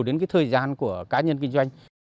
đến thời gian của cá nhân kinh doanh